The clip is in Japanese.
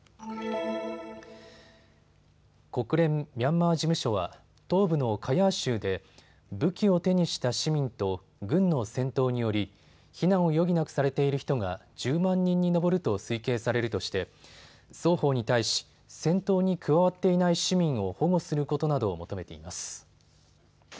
国連ミャンマー事務所は東部のカヤー州で武器を手にした市民と軍の戦闘により避難を余儀なくされている人が１０万人に上ると推計されるとして双方に対し戦闘に加わっていない市民を保護することなどを求めています。